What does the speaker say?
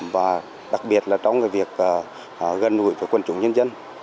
và đặc biệt là trong việc gần gũi với quân chủ nhân dân